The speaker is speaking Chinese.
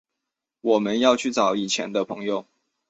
我们要去找以前的朋友